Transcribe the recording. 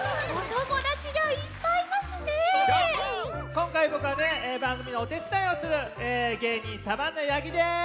こんかいぼくはばんぐみのおてつだいをするげいにんサバンナ八木です！